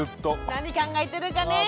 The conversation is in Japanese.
何考えてるかねえ